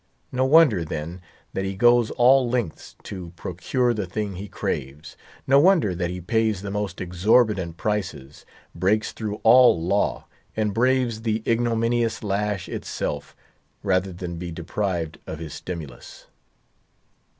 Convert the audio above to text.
No wonder, then, that he goes all lengths to procure the thing he craves; no wonder that he pays the most exorbitant prices, breaks through all law, and braves the ignominious lash itself, rather than be deprived of his stimulus.